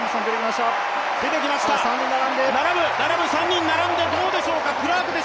３人並んでどうでしょうか。